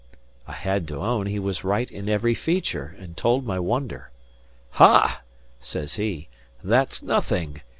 I had to own he was right in every feature, and told my wonder. "Ha!" says he, "that's nothing.